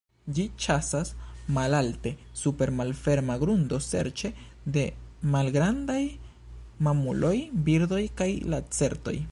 Ĝi ĉasas malalte super malferma grundo serĉe de malgrandaj mamuloj, birdoj kaj lacertoj.